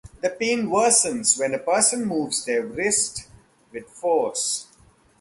The pain worsens when a person moves their wrist with force.